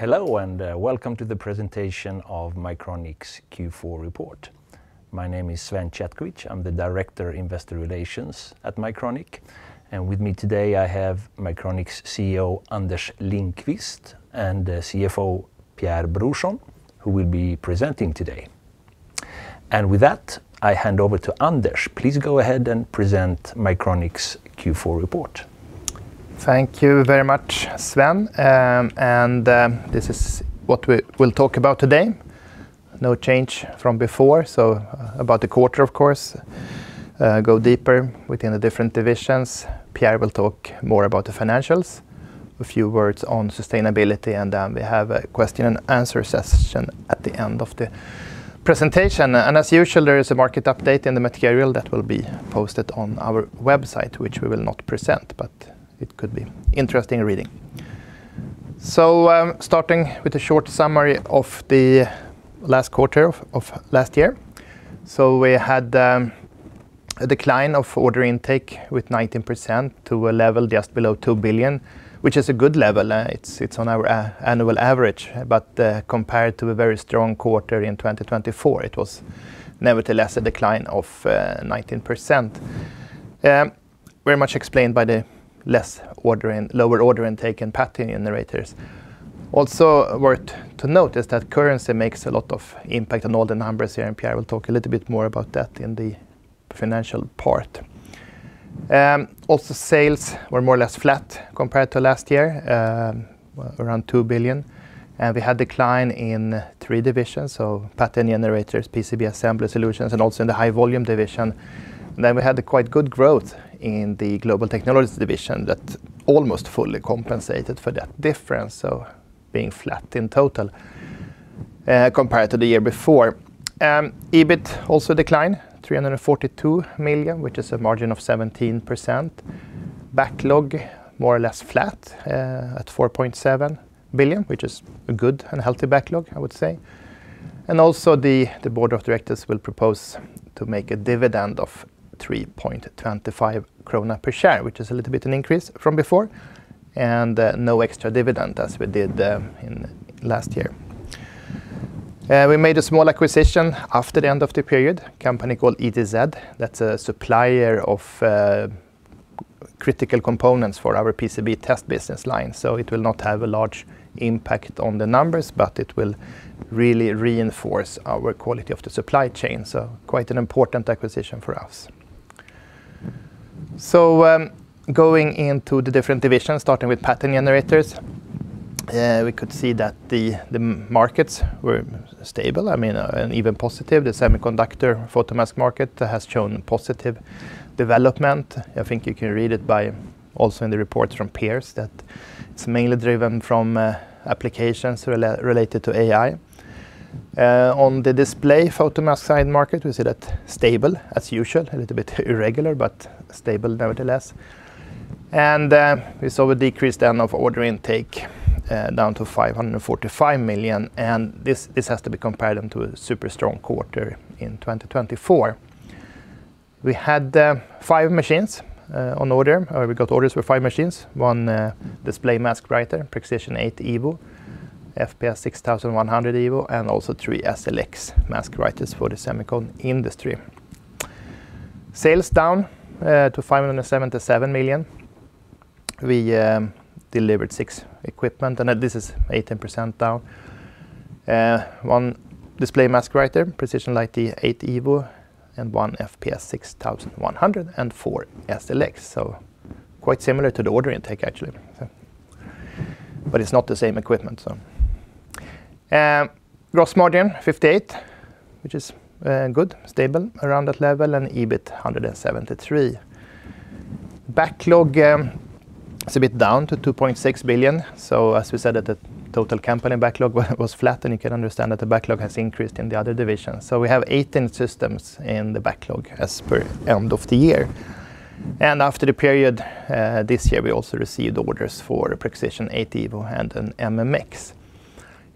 Hello, and, welcome to the presentation of Mycronic's Q4 report. My name is Sven Chetkovich. I'm the Director, Investor Relations at Mycronic. And with me today, I have Mycronic's CEO, Anders Lindqvist, and the CFO, Pierre Brorsson, who will be presenting today. And with that, I hand over to Anders. Please go ahead and present Mycronic's Q4 report. Thank you very much, Sven. This is what we will talk about today. No change from before, so about the quarter, of course, go deeper within the different divisions. Pierre will talk more about the financials, a few words on sustainability, and we have a question and answer session at the end of the presentation. And as usual, there is a market update in the material that will be posted on our website, which we will not present, but it could be interesting reading. So, starting with a short summary of the last quarter of last year. So we had a decline of order intake with 19% to a level just below 2 billion, which is a good level. It's on our annual average, but compared to a very strong quarter in 2024, it was nevertheless a decline of 19%. Very much explained by the lower order intake in Pattern Generators. Also, worth to note is that currency makes a lot of impact on all the numbers here, and Pierre will talk a little bit more about that in the financial part. Also, sales were more or less flat compared to last year, around 2 billion, and we had decline in 3 divisions, so Pattern Generators, PCB assembly solutions, and also in the High Volume division. Then we had a quite good growth in the Global Technologies division that almost fully compensated for that difference, so being flat in total compared to the year before. EBIT also declined, 342 million, which is a margin of 17%. Backlog, more or less flat, at 4.7 billion, which is a good and healthy backlog, I would say. Also the board of directors will propose to make a dividend of 3.25 krona per share, which is a little bit an increase from before, and no extra dividend, as we did in last year. We made a small acquisition after the end of the period, a company called ETZ. That's a supplier of critical components for our PCB test business line, so it will not have a large impact on the numbers, but it will really reinforce our quality of the supply chain, so quite an important acquisition for us. Going into the different divisions, starting with pattern generators, we could see that the markets were stable, I mean, and even positive. The semiconductor photomask market has shown positive development. I think you can read it by also in the reports from peers, that it's mainly driven from applications related to AI. On the display photomask side market, we see that stable as usual, a little bit irregular, but stable nevertheless. And we saw a decrease then of order intake, down to 545 million, and this has to be compared then to a super strong quarter in 2024. We had 5 machines on order, or we got orders for 5 machines, 1 display mask writer, Prexision 8 Evo, FPS 6100 Evo, and also 3 SLX mask writers for the semicon industry. Sales down to 577 million. We delivered 6 equipment, and this is 18% down. One display mask writer, Prexision Lite 8 Evo, and one FPS 6100, and four SLX, so quite similar to the order intake, actually, but it's not the same equipment. Gross margin 58%, which is good, stable around that level, and EBIT 173 million. Backlog is a bit down to 2.6 billion. So as we said, that the total company backlog was flat, and you can understand that the backlog has increased in the other divisions. So we have 18 systems in the backlog as per end of the year. And after the period this year, we also received orders for the Prexision 8 Evo and an MMX.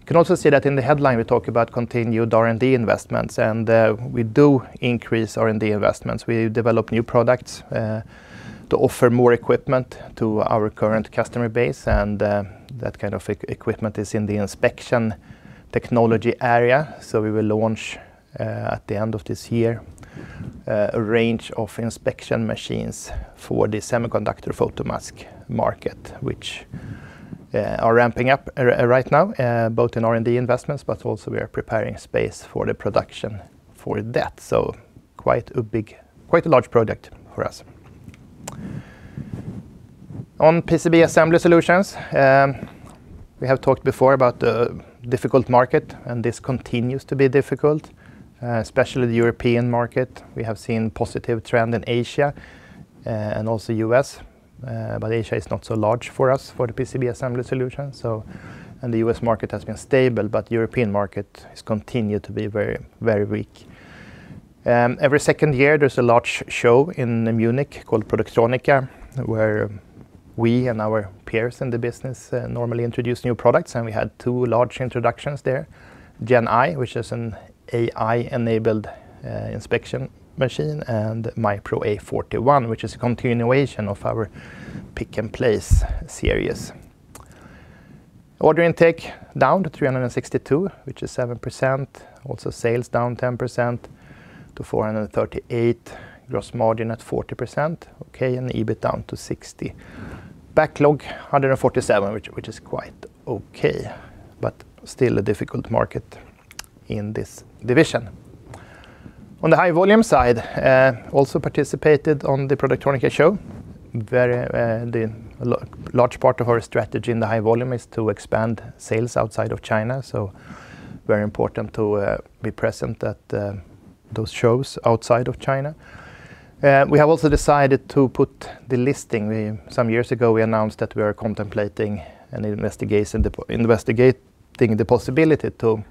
You can also see that in the headline, we talk about continued R&D investments, and we do increase R&D investments. We develop new products to offer more equipment to our current customer base, and that kind of equipment is in the inspection technology area. So we will launch at the end of this year a range of inspection machines for the semiconductor photomask market, which are ramping up right now both in R&D investments, but also we are preparing space for the production for that. So quite a big, quite a large product for us. On PCB assembly solutions, we have talked before about the difficult market, and this continues to be difficult, especially the European market. We have seen positive trend in Asia, and also US, but Asia is not so large for us for the PCB assembly solution, so, and the US market has been stable, but the European market has continued to be very, very weak. Every second year, there's a large show in Munich called Productronica, where we and our peers in the business, normally introduce new products, and we had two large introductions there: Gen I, which is an AI-enabled, inspection machine, and microA41, which is a continuation of our pick and place series. Order intake down to 362, which is 7%. Also, sales down 10% to 438. Gross margin at 40%, okay, and EBIT down to 60. Backlog, 147, which is quite okay, but still a difficult market in this division. On the high-volume side, also participated on the Productronica show. Very, the large part of our strategy in the high volume is to expand sales outside of China, so very important to be present at those shows outside of China. We have also decided to put the listing. Some years ago, we announced that we are contemplating investigating the possibility to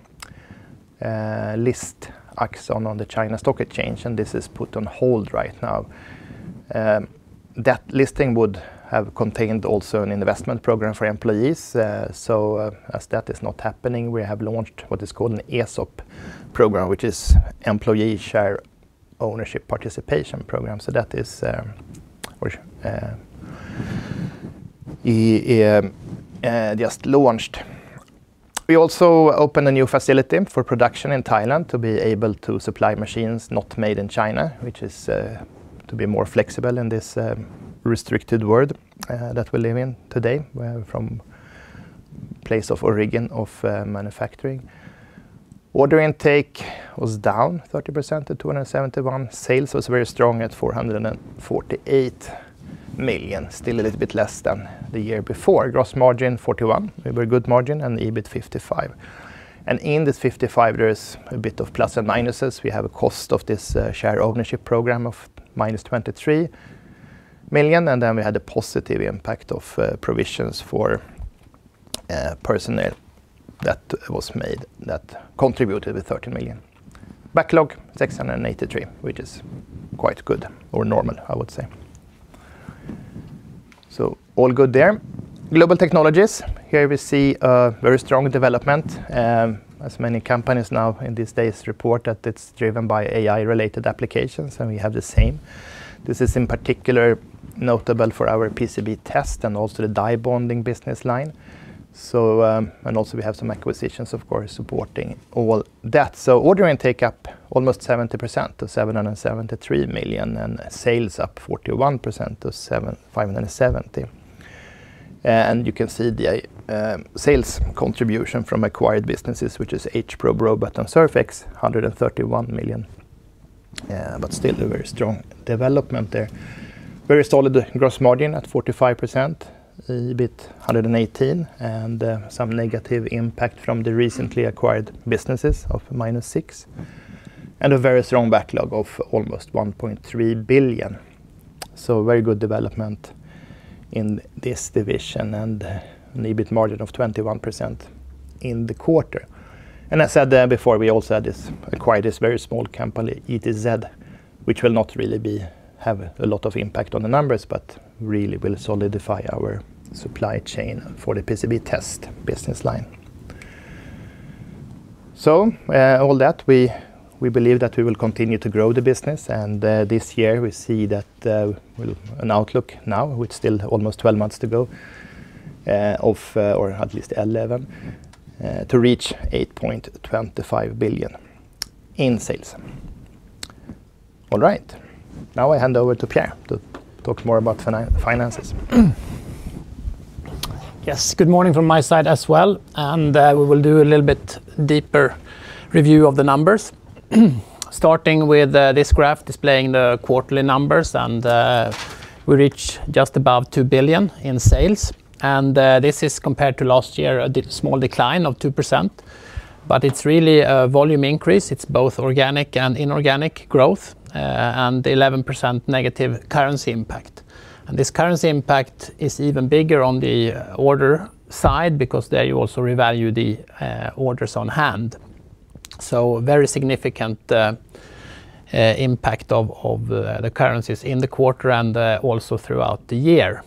list Axxon on the China Stock Exchange, and this is put on hold right now. That listing would have contained also an investment program for employees. So, as that is not happening, we have launched what is called an ESOP program, which is Employee Share Ownership Participation program. So that is, which we just launched. We also opened a new facility for production in Thailand to be able to supply machines not made in China, which is, to be more flexible in this, restricted world, that we live in today, from place of origin of, manufacturing. Order intake was down 30% to 271 million. Sales was very strong at 448 million, still a little bit less than the year before. Gross margin, 41%. A very good margin, and EBIT, 55 million. And in this fifty-five, there is a bit of plus and minuses. We have a cost of this, share ownership program of -23 million, and then we had a positive impact of, provisions for, personnel that was made, that contributed with 13 million. Backlog, 683 million, which is quite good or normal, I would say. So all good there. Global Technologies, here we see a very strong development, as many companies now in these days report that it's driven by AI-related applications, and we have the same. This is in particular notable for our PCB test and also the Die Bonding business line. So, And also we have some acquisitions, of course, supporting all that. So order intake up almost 70% to 773 million, and sales up 41% to 757 million. And you can see the, sales contribution from acquired businesses, which is HProRobot and Surfx, 131 million, but still a very strong development there. Very solid gross margin at 45%, EBIT, 118 million, and, some negative impact from the recently acquired businesses of -6 million, and a very strong backlog of almost 1.3 billion. So very good development in this division, and an EBIT margin of 21% in the quarter. And I said, before, we also acquired this very small company, ETZ, which will not really have a lot of impact on the numbers, but really will solidify our supply chain for the PCB test business line. So, all that, we, we believe that we will continue to grow the business. And, this year, we see that, well, an outlook now, with still almost 12 months to go, or at least 11, to reach 8.25 billion in sales. All right, now I hand over to Pierre to talk more about finances. Yes, good morning from my side as well, and we will do a little bit deeper review of the numbers. Starting with this graph displaying the quarterly numbers, and we reach just above 2 billion in sales. And this is compared to last year, a small decline of 2%, but it's really a volume increase. It's both organic and inorganic growth, and 11% negative currency impact. And this currency impact is even bigger on the order side because there you also revalue the orders on hand, so a very significant impact of the currencies in the quarter and also throughout the year.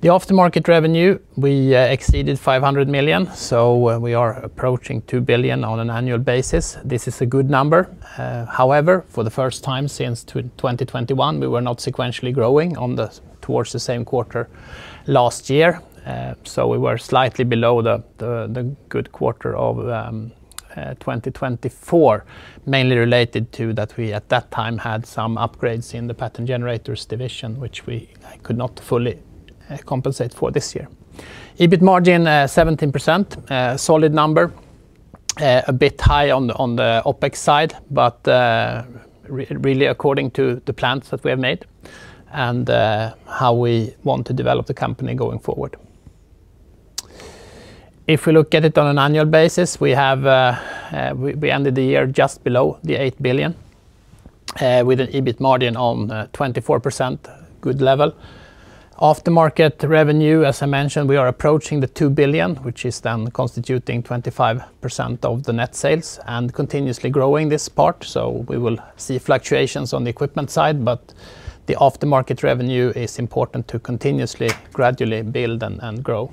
The aftermarket revenue, we exceeded 500 million, so we are approaching 2 billion on an annual basis. This is a good number. However, for the first time since 2021, we were not sequentially growing on the, towards the same quarter last year. So we were slightly below the good quarter of 2024, mainly related to that we, at that time, had some upgrades in the pattern generators division, which we could not fully compensate for this year. EBIT margin 17%, a solid number, a bit high on the OpEx side, but really according to the plans that we have made and how we want to develop the company going forward. If we look at it on an annual basis, we have we ended the year just below 8 billion, with an EBIT margin of 24%, good level. Aftermarket revenue, as I mentioned, we are approaching 2 billion, which is then constituting 25% of the net sales and continuously growing this part, so we will see fluctuations on the equipment side. But the aftermarket revenue is important to continuously, gradually build and grow,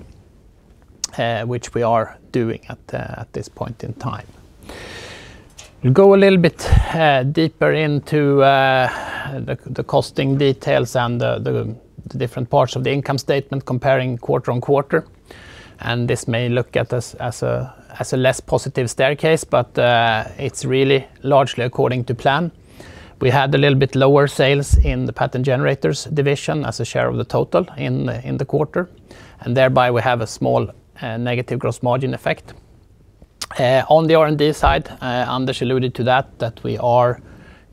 which we are doing at this point in time. You go a little bit deeper into the costing details and the different parts of the income statement comparing quarter-over-quarter, and this may look at us as a less positive staircase, but it's really largely according to plan. We had a little bit lower sales in the Pattern Generators division as a share of the total in the quarter, and thereby we have a small negative gross margin effect. On the R&D side, Anders alluded to that, that we are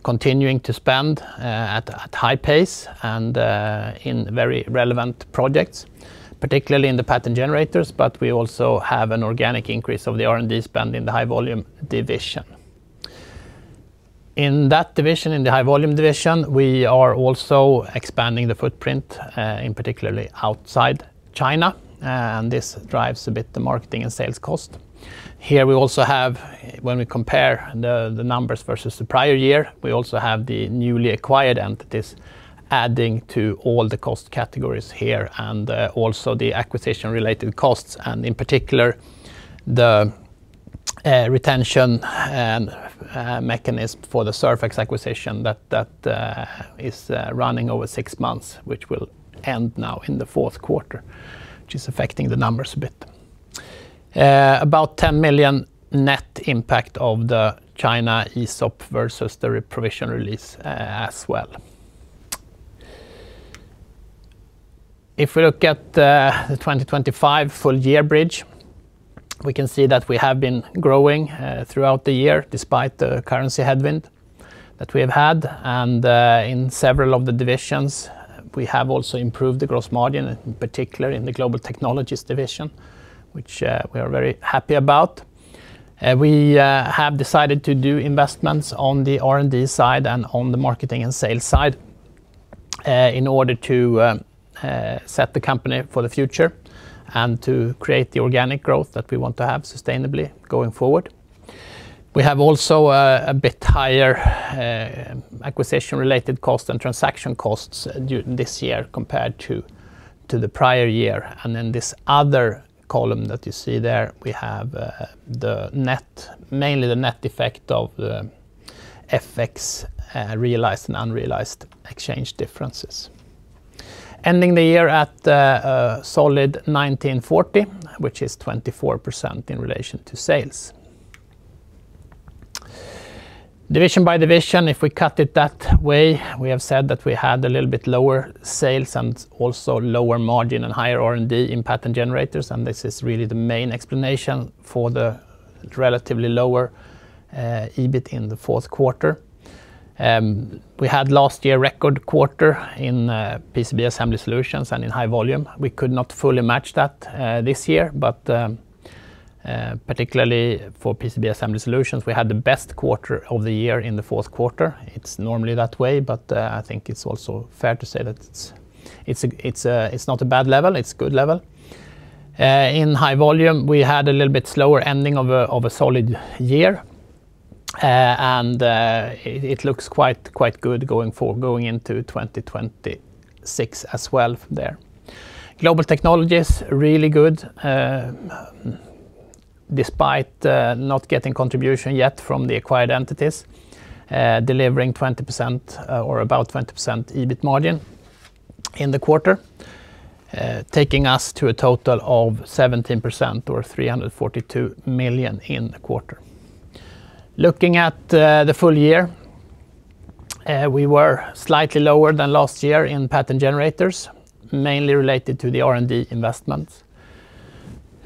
continuing to spend at high pace and in very relevant projects, particularly in the pattern generators, but we also have an organic increase of the R&D spend in the high-volume division. In that division, in the high-volume division, we are also expanding the footprint, particularly outside China, and this drives a bit the marketing and sales cost. Here we also have, when we compare the numbers versus the prior year, we also have the newly acquired entities adding to all the cost categories here, and also the acquisition-related costs, and in particular, the retention and mechanism for the Surfx acquisition that is running over six months, which will end now in the fourth quarter, which is affecting the numbers a bit. About 10 million net impact of the China ESOP versus the reprovision release, as well. If we look at the 2025 full year bridge, we can see that we have been growing throughout the year, despite the currency headwind that we have had, and in several of the divisions, we have also improved the gross margin, in particular in the Global Technologies division, which we are very happy about. We have decided to do investments on the R&D side and on the marketing and sales side, in order to set the company for the future and to create the organic growth that we want to have sustainably going forward. We have also a bit higher acquisition-related cost and transaction costs this year compared to the prior year. And then this other column that you see there, we have the net, mainly the net effect of the effects, realized and unrealized exchange differences. Ending the year at a solid 1,940, which is 24% in relation to sales. Division by division, if we cut it that way, we have said that we had a little bit lower sales and also lower margin and higher R&D in Pattern Generators, and this is really the main explanation for the relatively lower EBIT in the fourth quarter. We had last year record quarter in PCB Assembly solutions and in High Volume. We could not fully match that this year, but particularly for PCB Assembly solutions, we had the best quarter of the year in the fourth quarter. It's normally that way, but I think it's also fair to say that it's not a bad level, it's good level. In High Volume, we had a little bit slower ending of a solid year, and it looks quite good going into 2026 as well from there. Global Technologies, really good, despite not getting contribution yet from the acquired entities, delivering 20% or about 20% EBIT margin in the quarter, taking us to a total of 17% or 342 million in the quarter. Looking at the full year, we were slightly lower than last year in Pattern Generators, mainly related to the R&D investments.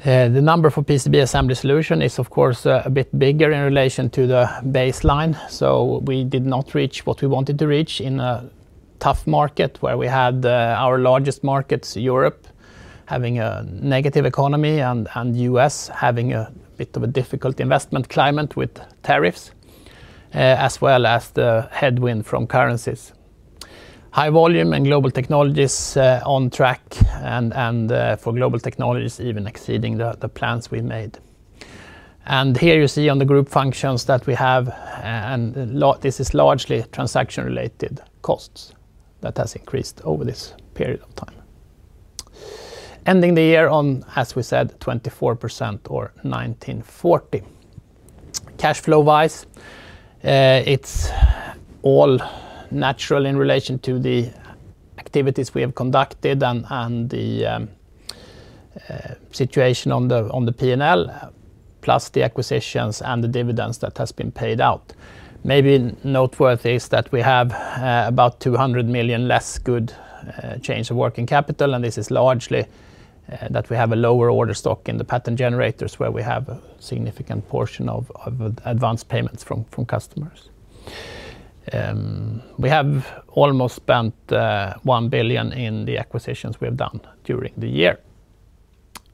The number for PCB assembly solution is, of course, a bit bigger in relation to the baseline, so we did not reach what we wanted to reach in a tough market where we had our largest markets, Europe, having a negative economy and the U.S. having a bit of a difficult investment climate with tariffs, as well as the headwind from currencies. High Volume and Global Technologies on track, and for Global Technologies, even exceeding the plans we made. And here you see on the group functions that we have. This is largely transaction-related costs that has increased over this period of time. Ending the year on, as we said, 24% or 194. Cash flow-wise, it's all natural in relation to the activities we have conducted and, and the situation on the P&L, plus the acquisitions and the dividends that has been paid out. Maybe noteworthy is that we have about 200 million less good change of working capital, and this is largely that we have a lower order stock in the pattern generators, where we have a significant portion of advanced payments from customers. We have almost spent 1 billion in the acquisitions we have done during the year.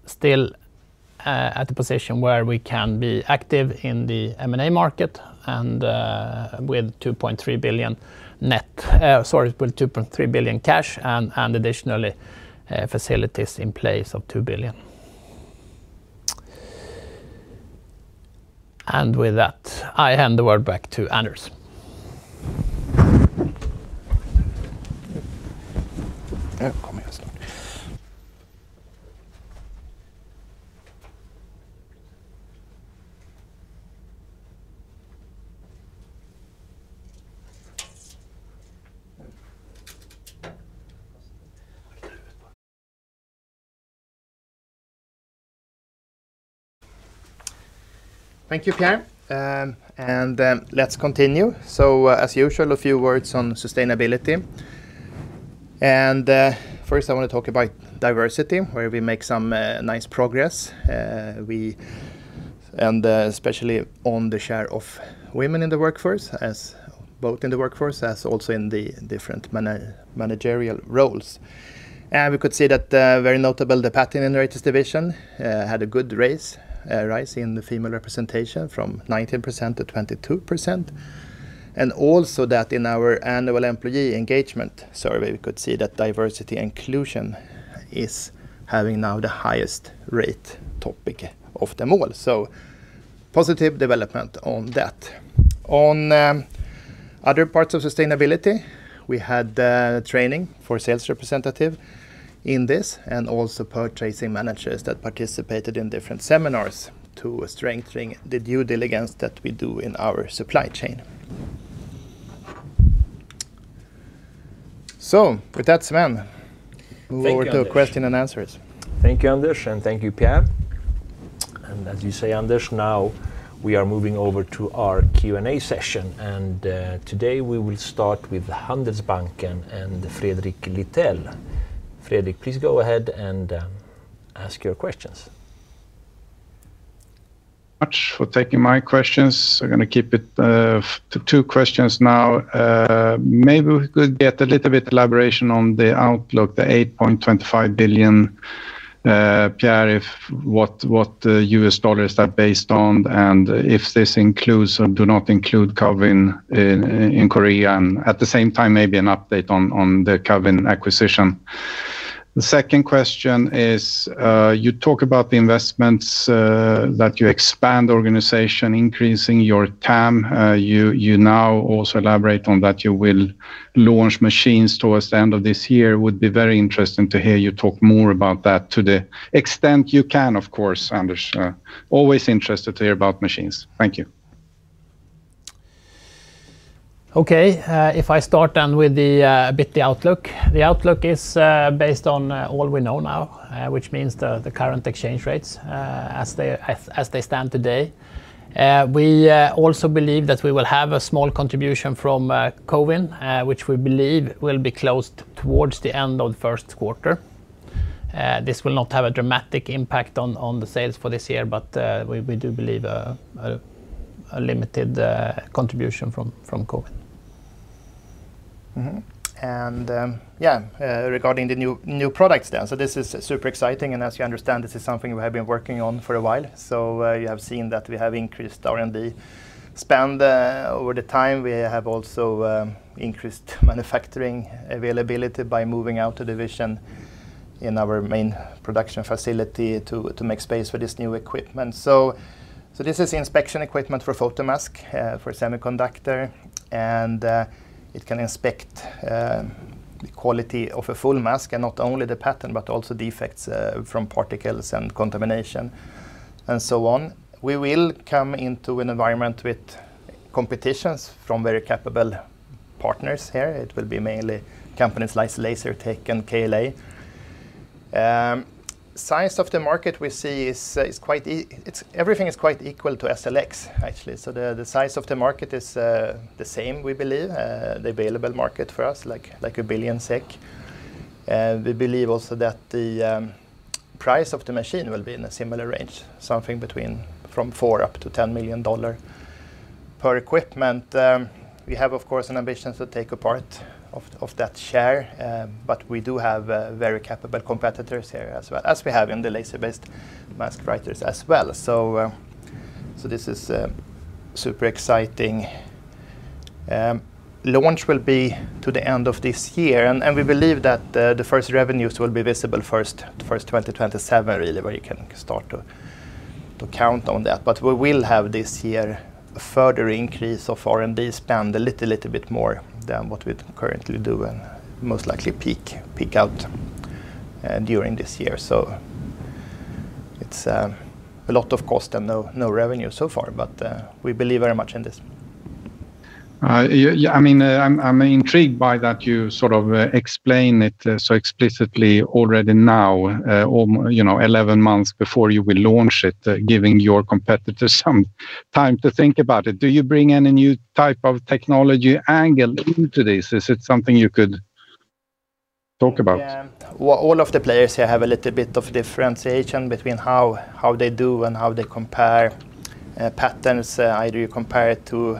Still, at the position where we can be active in the M&A market and with 2.3 billion net, sorry, with 2.3 billion cash and additionally facilities in place of 2 billion. And with that, I hand the word back to Anders. ... Yeah, coming up soon. Thank you, Pierre. And, let's continue. So, as usual, a few words on sustainability. First, I want to talk about diversity, where we make some nice progress, and especially on the share of women in the workforce, both in the workforce, as also in the different managerial roles. And we could see that very notable, the Pattern Generators division had a good rise in the female representation from 19% to 22%. And also that in our annual employee engagement survey, we could see that diversity inclusion is having now the highest rated topic of them all. So positive development on that. On other parts of sustainability, we had training for sales representative in this, and also purchasing managers that participated in different seminars to strengthening the due diligence that we do in our supply chain. So with that, Sven, we move over to question and answers. Thank you, Anders, and thank you, Pierre. As you say, Anders, now we are moving over to our Q&A session, and today we will start with Handelsbanken and Fredrik Lithell. Fredrik, please go ahead and ask your questions. Thanks for taking my questions. I'm going to keep it to two questions now. Maybe we could get a little bit elaboration on the outlook, the $8.25 billion, Pierre, if what, what US dollars are based on, and if this includes or do not include Cowin in Korea, and at the same time, maybe an update on the Cowin acquisition. The second question is, you talk about the investments that you expand the organization, increasing your TAM. You now also elaborate on that you will launch machines towards the end of this year. Would be very interesting to hear you talk more about that, to the extent you can, of course, Anders. Always interested to hear about machines. Thank you. Okay, if I start then with the, a bit the outlook. The outlook is based on all we know now, which means the current exchange rates, as they stand today. We also believe that we will have a small contribution from Cowin, which we believe will be closed towards the end of the first quarter. This will not have a dramatic impact on the sales for this year, but we do believe a limited contribution from Cowin. Mm-hmm. And, yeah, regarding the new, new products then. So this is super exciting, and as you understand, this is something we have been working on for a while. So, you have seen that we have increased R&D spend over the time. We have also increased manufacturing availability by moving out a division in our main production facility to make space for this new equipment. So this is inspection equipment for photomask for semiconductor, and it can inspect the quality of a full mask and not only the pattern, but also defects from particles and contamination, and so on. We will come into an environment with competition from very capable partners here. It will be mainly companies like Lasertec and KLA. Size of the market we see is quite equal to SLX, actually. So the size of the market is the same, we believe, the available market for us, like 1 billion SEK. We believe also that the price of the machine will be in a similar range, something between from $4-$10 million per equipment. We have, of course, an ambition to take a part of that share, but we do have very capable competitors here as well, as we have in the laser-based mask writers as well. So this is super exciting. Launch will be to the end of this year, and we believe that the first revenues will be visible first 2027, really, where you can start to count on that. But we will have this year a further increase of R&D spend, a little bit more than what we currently do and most likely peak out during this year. It's a lot of cost and no, no revenue so far, but we believe very much in this. Yeah, yeah, I mean, I'm intrigued by that you sort of explain it so explicitly already now, or, you know, 11 months before you will launch it, giving your competitors some time to think about it. Do you bring any new type of technology angle into this? Is it something you could talk about? Yeah. Well, all of the players here have a little bit of differentiation between how they do and how they compare patterns. Either you compare it to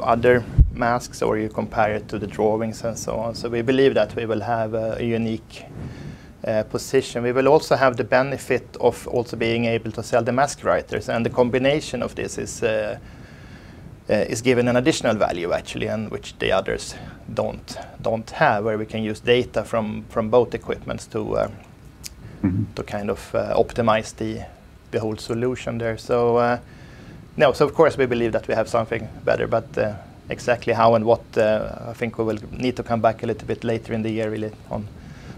other masks, or you compare it to the drawings and so on. So we believe that we will have a unique position. We will also have the benefit of also being able to sell the mask writers, and the combination of this is given an additional value, actually, and which the others don't have, where we can use data from both equipments to kind of optimize the whole solution there. So, no, so of course, we believe that we have something better, but, exactly how and what, I think we will need to come back a little bit later in the year really on,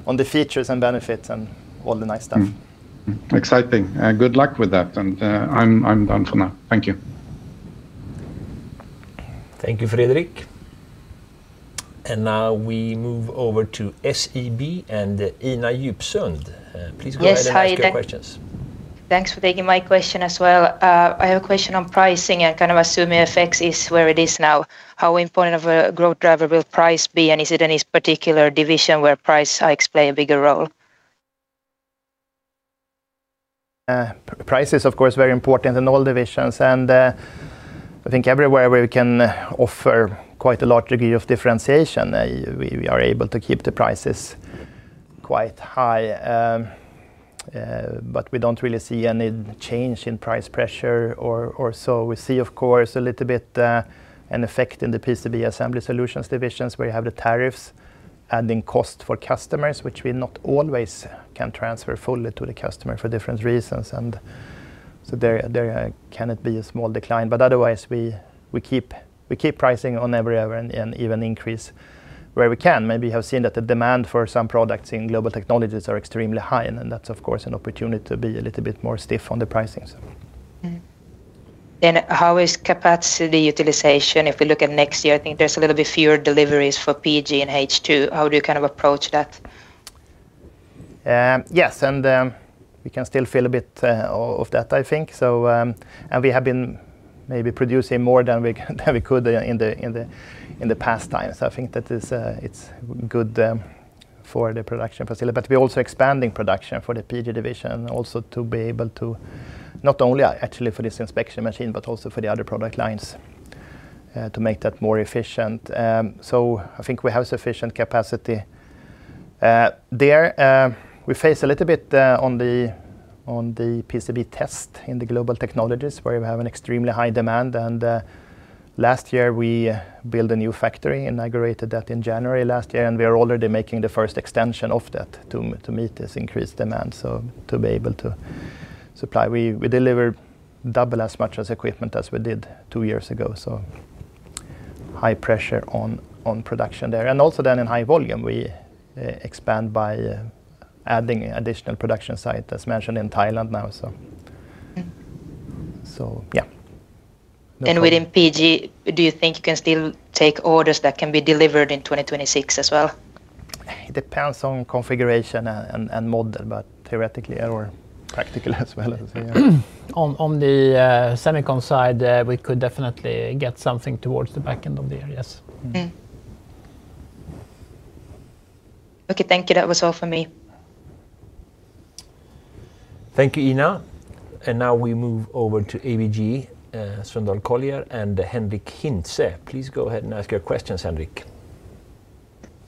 on the features and benefits and all the nice stuff. Mm-hmm. Exciting, and good luck with that. And, I'm done for now. Thank you. Thank you, Fredrik. Now we move over to SEB and Ina Djupsund. Please go ahead. Yes, hi- Ask your questions. Thanks for taking my question as well. I have a question on pricing. I kind of assume FX effects is where it is now. How important of a growth driver will price be, and is it any particular division where price plays a bigger role? Price is, of course, very important in all divisions, and, I think everywhere we can offer quite a large degree of differentiation. We, we are able to keep the prices quite high. But we don't really see any change in price pressure or, or so. We see, of course, a little bit, an effect in the PCB Assembly Solutions divisions, where you have the tariffs adding cost for customers, which we not always can transfer fully to the customer for different reasons. And so there, there, can it be a small decline? But otherwise, we, we keep, we keep pricing on every area and, and even increase where we can. Maybe have seen that the demand for some products in Global Technologies are extremely high, and then that's, of course, an opportunity to be a little bit more stiff on the pricing, so. Mm-hmm. Then how is capacity utilization? If we look at next year, I think there's a little bit fewer deliveries for PG and H2. How do you kind of approach that? Yes, and we can still feel a bit of that, I think. So we have been maybe producing more than we could in the past times. I think that is, it's good for the production facility. But we're also expanding production for the PG division, also to be able to not only actually for this inspection machine, but also for the other product lines, to make that more efficient. So I think we have sufficient capacity. We face a little bit on the PCB test in the Global Technologies, where we have an extremely high demand. And last year, we built a new factory, inaugurated that in January last year, and we are already making the first extension of that to meet this increased demand, so to be able to supply. We delivered double as much equipment as we did two years ago, so high pressure on production there. And also then in High Volume, we expand by adding additional production site, as mentioned in Thailand now, so. Mm-hmm. So, yeah. Within PG, do you think you can still take orders that can be delivered in 2026 as well? It depends on configuration and model, but theoretically or practically as well. On the semicon side, we could definitely get something towards the back end of the year. Yes. Mm-hmm. Okay, thank you. That was all for me. Thank you, Ina. And now we move over to ABG Sundal Collier, and Henrik Hintze. Please go ahead and ask your questions, Henrik.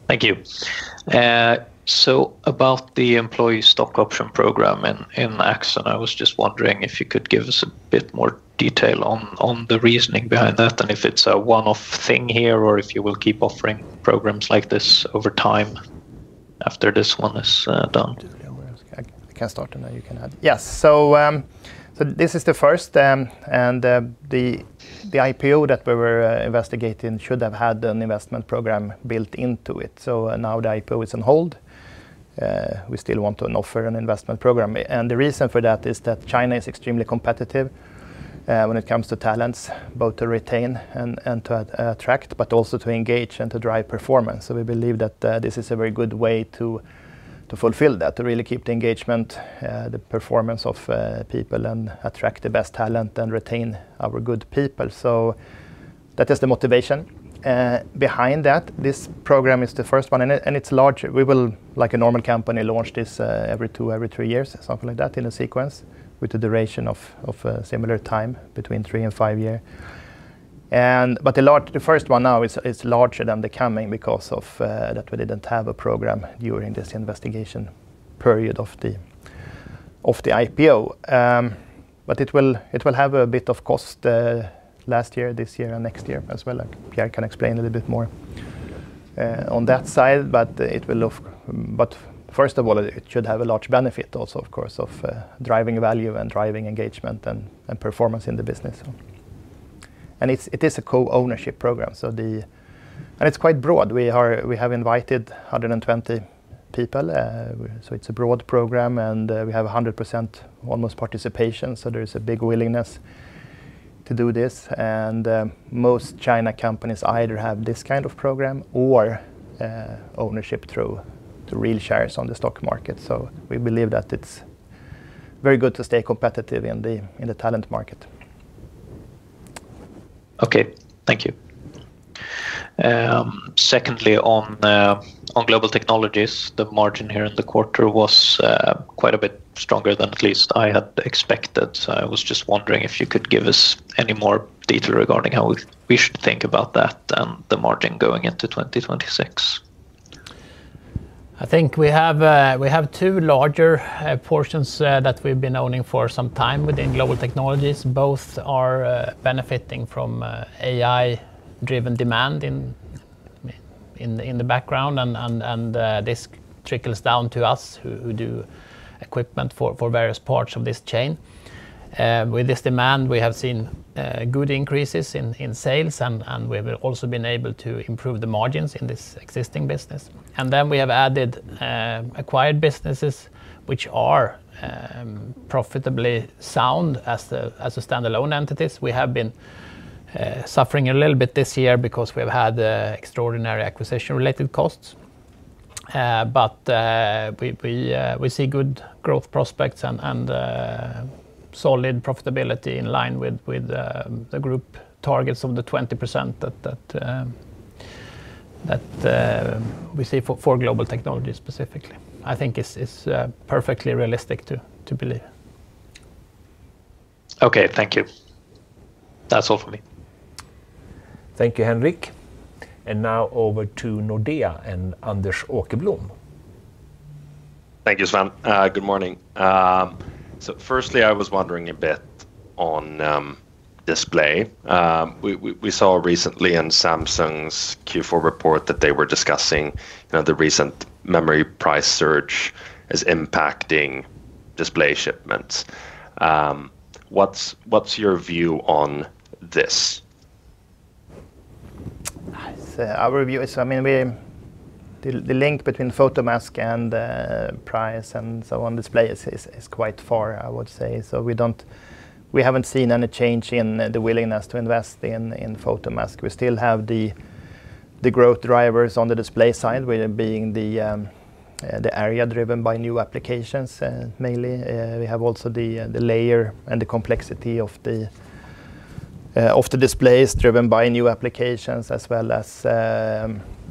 Thank you. So about the employee stock option program in, in Axxon, I was just wondering if you could give us a bit more detail on, on the reasoning behind that, and if it's a one-off thing here, or if you will keep offering programs like this over time after this one is, done? I can start, and then you can add. Yes. So this is the first, and the IPO that we were investigating should have had an investment program built into it. So now the IPO is on hold. We still want to offer an investment program. And the reason for that is that China is extremely competitive when it comes to talents, both to retain and to attract, but also to engage and to drive performance. So we believe that this is a very good way to fulfill that, to really keep the engagement, the performance of people and attract the best talent and retain our good people. So that is the motivation. Behind that, this program is the first one, and it's large. We will, like a normal company, launch this every two, every three years, something like that, in a sequence with a duration of similar time between three and five years. But a lot—the first one now is larger than the coming because of that we didn't have a program during this investigation period of the IPO. But it will have a bit of cost last year, this year, and next year as well. Like, Pierre can explain a little bit more on that side, but it will look... But first of all, it should have a large benefit also, of course, of driving value and driving engagement and performance in the business. And it is a co-ownership program, so the—and it's quite broad. We have invited 120 people, so it's a broad program, and we have almost 100% participation, so there is a big willingness to do this. Most China companies either have this kind of program or ownership through the real shares on the stock market. We believe that it's very good to stay competitive in the talent market. Okay. Thank you. Secondly, on Global Technologies, the margin here in the quarter was quite a bit stronger than at least I had expected. So I was just wondering if you could give us any more detail regarding how we should think about that and the margin going into 2026. I think we have, we have two larger portions that we've been owning for some time within Global Technologies. Both are benefiting from AI-driven demand in-... in the background, this trickles down to us who do equipment for various parts of this chain. With this demand, we have seen good increases in sales, and we've also been able to improve the margins in this existing business. And then we have added acquired businesses which are profitably sound as the standalone entities. We have been suffering a little bit this year because we've had extraordinary acquisition-related costs. But we see good growth prospects and solid profitability in line with the group targets of the 20% that we see for Global Technologies specifically. I think it's perfectly realistic to believe. Okay. Thank you. That's all for me. Thank you, Henrik. Now over to Nordea and Anders Åkerblom. Thank you, Sven. Good morning. So firstly, I was wondering a bit on display. We saw recently in Samsung's Q4 report that they were discussing, you know, the recent memory price surge is impacting display shipments. What's your view on this? So our view is, I mean, the link between photomask and price and so on display is quite far, I would say. So we haven't seen any change in the willingness to invest in photomask. We still have the growth drivers on the display side, with it being the area driven by new applications, mainly. We have also the layer and the complexity of the displays driven by new applications as well as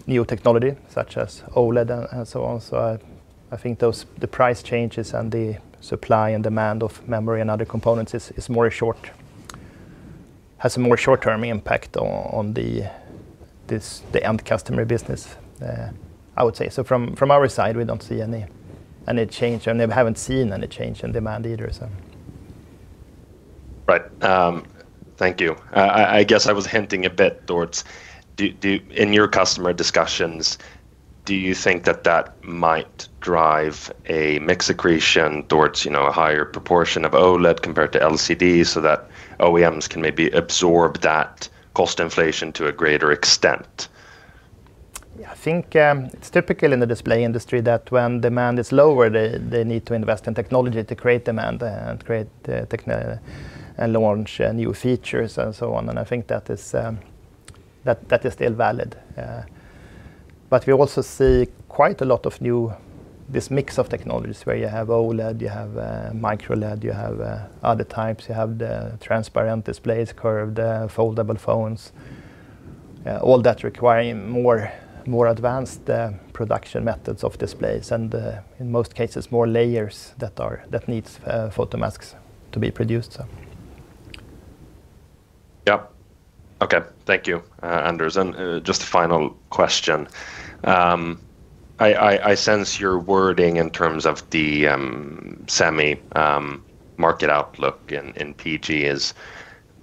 new technology such as OLED and so on. So I think those the price changes and the supply and demand of memory and other components is more a short has a more short-term impact on the end customer business, I would say. From our side, we don't see any change, and we haven't seen any change in demand either. Right. Thank you. I guess I was hinting a bit towards, in your customer discussions, do you think that that might drive a mix accretion towards, you know, a higher proportion of OLED compared to LCD, so that OEMs can maybe absorb that cost inflation to a greater extent? Yeah, I think it's typical in the display industry that when demand is lower, they need to invest in technology to create demand and create technology and launch new features and so on. And I think that is still valid. But we also see quite a lot of new... this mix of technologies where you have OLED, you have micro LED, you have other types, you have the transparent displays, curved foldable phones, all that requiring more advanced production methods of displays, and in most cases, more layers that needs photo masks to be produced, so. Yep. Okay. Thank you, Anders. And, just a final question. I sense your wording in terms of the semi market outlook in PG is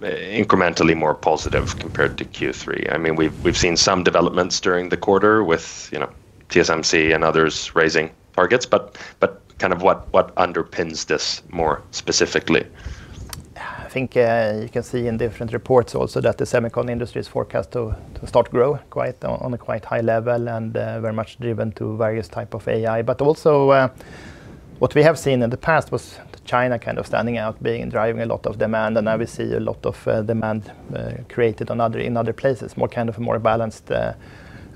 incrementally more positive compared to Q3. I mean, we've seen some developments during the quarter with, you know, TSMC and others raising targets, but kind of what underpins this more specifically? I think you can see in different reports also that the semicon industry is forecast to start grow quite on a quite high level and very much driven to various type of AI. But also what we have seen in the past was China kind of standing out, being driving a lot of demand, and now we see a lot of demand created in other places, more kind of a more balanced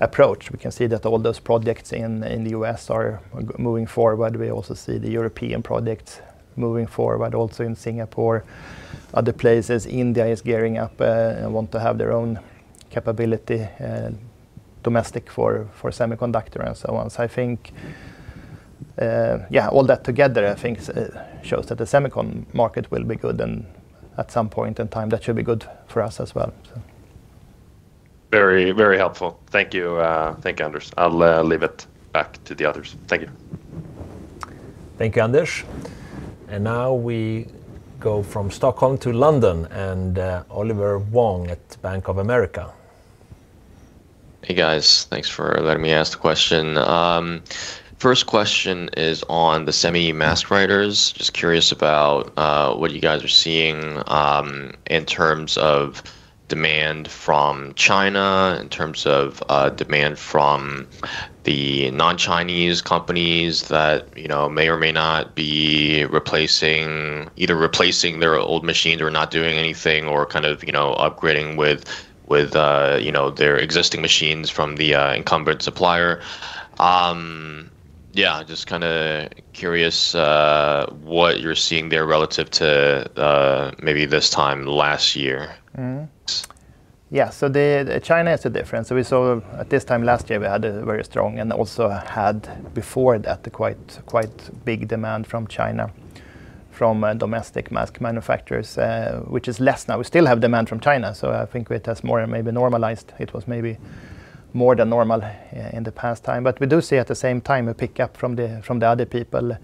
approach. We can see that all those projects in the US are moving forward. We also see the European projects moving forward, also in Singapore, other places. India is gearing up and want to have their own capability domestic for semiconductor and so on. So I think, yeah, all that together, I think, shows that the semicon market will be good, and at some point in time, that should be good for us as well, so. Very, very helpful. Thank you. Thank you, Anders. I'll leave it back to the others. Thank you. Thank you, Anders. And now we go from Stockholm to London, and, Oliver Wong at Bank of America. Hey, guys. Thanks for letting me ask the question. First question is on the semi mask writers. Just curious about what you guys are seeing in terms of demand from China, in terms of demand from the non-Chinese companies that, you know, may or may not be replacing- either replacing their old machines or not doing anything, or kind of, you know, upgrading with their existing machines from the incumbent supplier. Yeah, just kinda curious what you're seeing there relative to maybe this time last year. Mm-hmm. Yeah, so China is different. So we saw at this time last year, we had a very strong and also had before that, a quite, quite big demand from China, from domestic mask manufacturers, which is less now. We still have demand from China, so I think it has more maybe normalized. It was maybe more than normal in the past time. But we do see at the same time, a pickup from the, from the other people,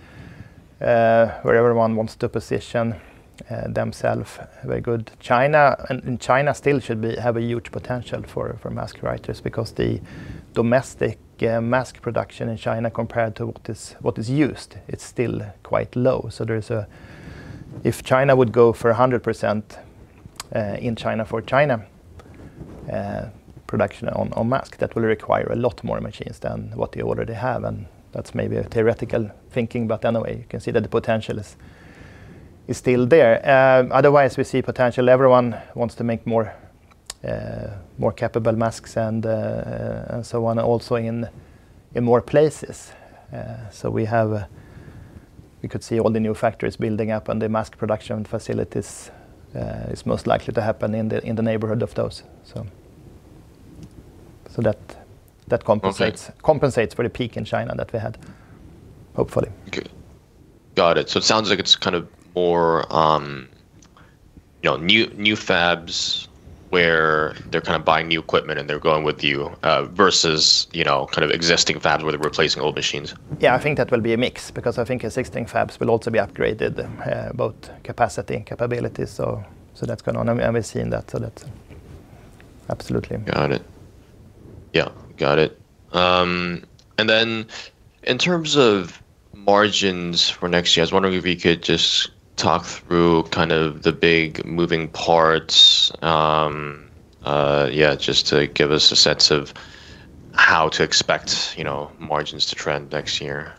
where everyone wants to position themself very good. China, and, and China still should be, have a huge potential for, for mask writers because the domestic, mask production in China compared to what is, what is used, it's still quite low. So there's if China would go for 100%, in China for China, production on, on mask, that will require a lot more machines than what they already have, and that's maybe a theoretical thinking, but anyway, you can see that the potential is, is still there. Otherwise, we see potential. Everyone wants to make more, more capable masks and, and so on, also in, in more places. So we have we could see all the new factories building up, and the mask production facilities, is most likely to happen in the, in the neighborhood of those. So, so that, that compensates- Okay... compensates for the peak in China that we had, hopefully. Okay. Got it. So it sounds like it's kind of more, you know, new fabs where they're kind of buying new equipment and they're going with you, versus, you know, kind of existing fabs where they're replacing old machines? Yeah, I think that will be a mix, because I think existing fabs will also be upgraded, both capacity and capability. So, that's going on, and we're seeing that, so that's absolutely. Got it. Yeah, got it. And then in terms of margins for next year, I was wondering if you could just talk through kind of the big moving parts, yeah, just to give us a sense of how to expect, you know, margins to trend next year.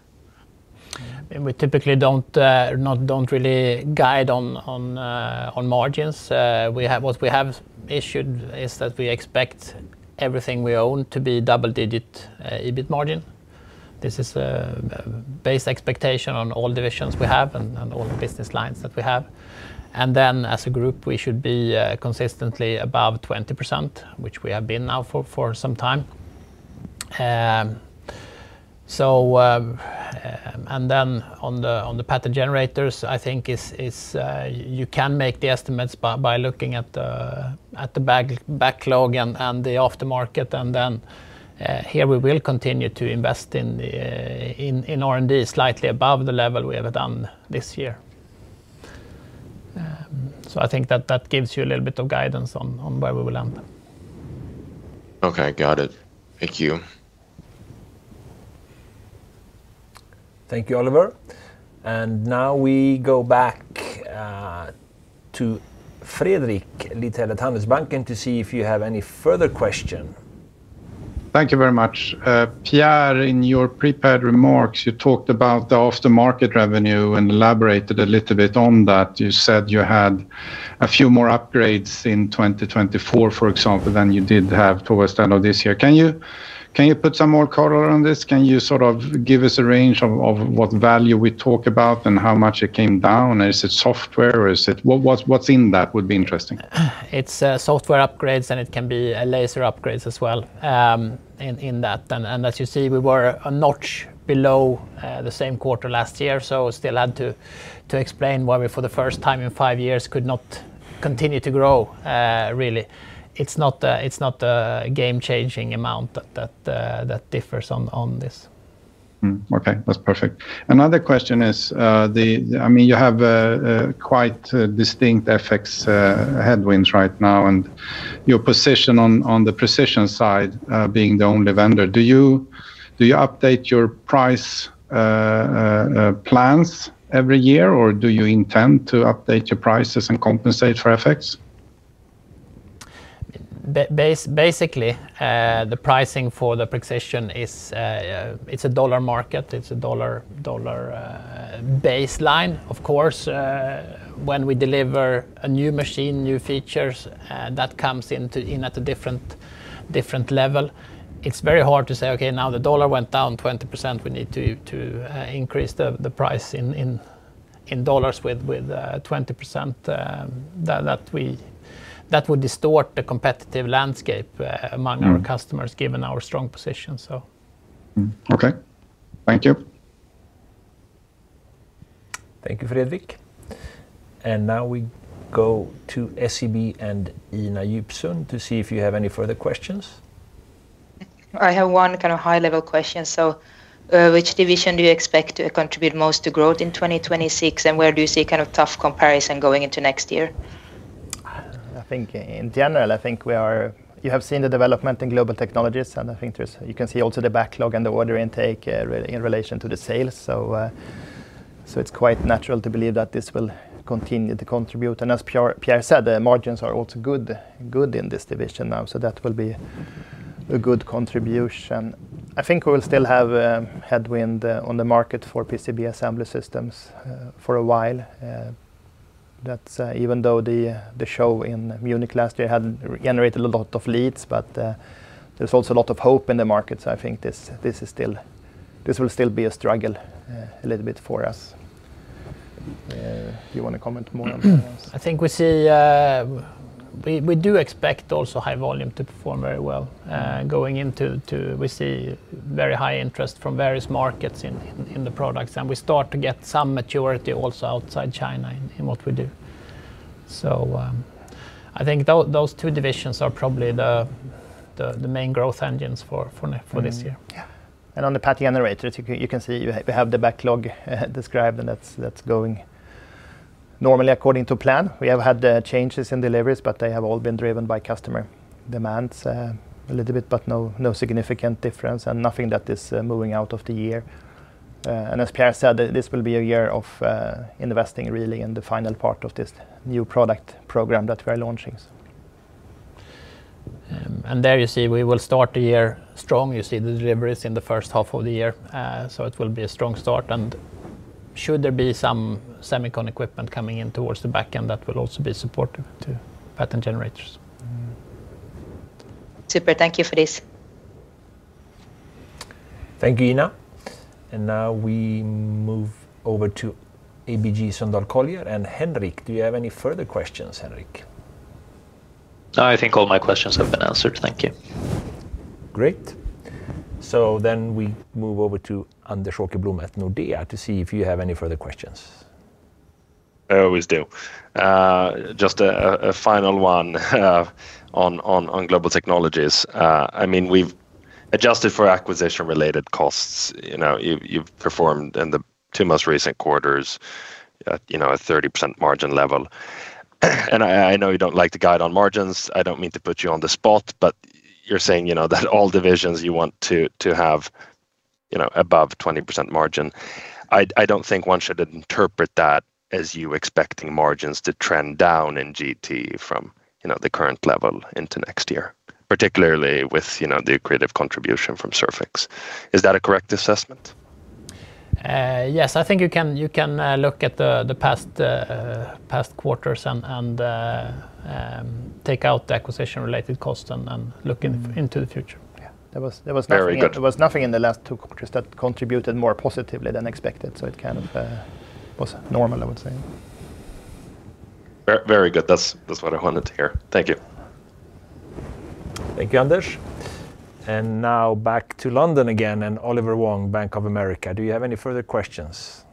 We typically don't really guide on margins. What we have issued is that we expect everything we own to be double-digit EBIT margin. This is base expectation on all divisions we have and all the business lines that we have. As a group, we should be consistently above 20%, which we have been now for some time. On the pattern generators, I think you can make the estimates by looking at the backlog and the aftermarket. Here we will continue to invest in R&D, slightly above the level we have done this year. So, I think that gives you a little bit of guidance on where we will end up. Okay, got it. Thank you. Thank you, Oliver. And now we go back to Fredrik Lithell at Handelsbanken, to see if you have any further question. Thank you very much. Pierre, in your prepared remarks, you talked about the after-market revenue and elaborated a little bit on that. You said you had a few more upgrades in 2024, for example, than you did have towards the end of this year. Can you, can you put some more color on this? Can you sort of give us a range of, of what value we talk about and how much it came down? Is it software, or is it... What, what's, what's in that, would be interesting. It's software upgrades, and it can be laser upgrades as well, in that. As you see, we were a notch below the same quarter last year, so still had to explain why we, for the first time in five years, could not continue to grow, really. It's not a game-changing amount that differs on this. Okay, that's perfect. Another question is, I mean, you have a quite distinct FX headwinds right now, and your position on the precision side, being the only vendor, do you update your price plans every year, or do you intend to update your prices and compensate for FX? Basically, the pricing for the precision is, it's a dollar market. It's a dollar, dollar, baseline. Of course, when we deliver a new machine, new features, that comes in at a different level, it's very hard to say, "Okay, now the dollar went down 20%. We need to increase the price in dollars with 20%." That would distort the competitive landscape, among- Mm... our customers, given our strong position, so. Mm. Okay. Thank you. Thank you, Fredrik. And now we go to SEB and Ina Jupskås, to see if you have any further questions. I have one kind of high-level question. So, which division do you expect to contribute most to growth in 2026, and where do you see kind of tough comparison going into next year? I think in general, I think we are. You have seen the development in Global Technologies, and I think there's. You can see also the backlog and the order intake in relation to the sales. So it's quite natural to believe that this will continue to contribute. And as Pierre said, the margins are also good in this division now, so that will be a good contribution. I think we will still have headwind on the market for PCB assembly systems for a while. That's even though the show in Munich last year had generated a lot of leads, but there's also a lot of hope in the market. So I think this is still. This will still be a struggle a little bit for us. Do you want to comment more on that one? I think we see we do expect also High Volume to perform very well. Going into, we see very high interest from various markets in the products, and we start to get some maturity also outside China in what we do. So, I think those two divisions are probably the main growth engines for this year. Mm-hmm. Yeah. And on the pattern generator, you can see we have the backlog described, and that's going normally according to plan. We have had the changes in deliveries, but they have all been driven by customer demands a little bit, but no, no significant difference and nothing that is moving out of the year. And as Pierre said, this will be a year of investing really in the final part of this new product program that we are launching. And there you see, we will start the year strong. You see the deliveries in the first half of the year. So it will be a strong start, and should there be some semicon equipment coming in towards the back end, that will also be supportive to pattern generators. Super. Thank you for this. Thank you, Ina. Now we move over to ABG Sundal Collier, and, Henrik, do you have any further questions, Henrik? No, I think all my questions have been answered. Thank you. Great. So then we move over to Anders Åkerblom at Nordea to see if you have any further questions. I always do. Just a final one on Global Technologies. I mean, we've adjusted for acquisition-related costs. You know, you've performed in the two most recent quarters at, you know, a 30% margin level. And I know you don't like to guide on margins. I don't mean to put you on the spot, but you're saying, you know, that all divisions you want to have, you know, above 20% margin. I don't think one should interpret that as you expecting margins to trend down in GT from, you know, the current level into next year, particularly with, you know, the accretive contribution from Surfx. Is that a correct assessment? Yes. I think you can look at the past quarters and take out the acquisition-related cost and look in-... into the future. Yeah. There was nothing in- Very good... there was nothing in the last two quarters that contributed more positively than expected, so it kind of was normal, I would say. Very good. That's, that's what I wanted to hear. Thank you. Thank you, Anders. And now back to London again, and Oliver Wong, Bank of America, do you have any further questions?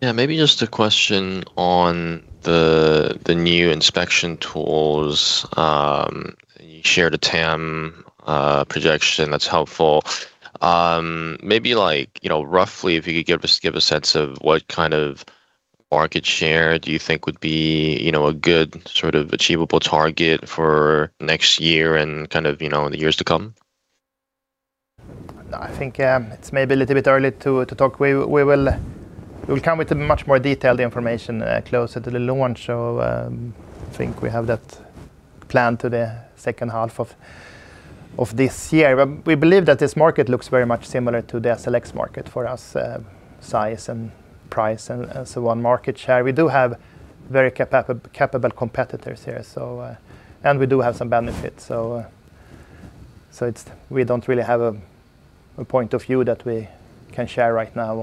Yeah, maybe just a question on the new inspection tools. You shared a TAM projection. That's helpful. Maybe like, you know, roughly, if you could give us a sense of what kind of market share do you think would be, you know, a good sort of achievable target for next year and kind of, you know, in the years to come? I think it's maybe a little bit early to talk. We'll come with a much more detailed information closer to the launch. So, I think we have that planned to the second half of this year. But we believe that this market looks very much similar to the SLX market for us, size and price and so on, market share. We do have very capable competitors here. And we do have some benefits. So, we don't really have a point of view that we can share right now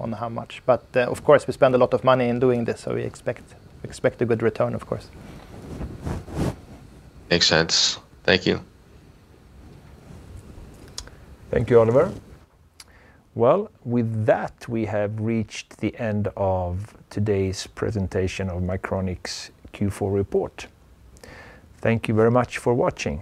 on how much. But, of course, we spend a lot of money in doing this, so we expect a good return, of course. Makes sense. Thank you. Thank you, Oliver. Well, with that, we have reached the end of today's presentation of Mycronic's Q4 report. Thank you very much for watching.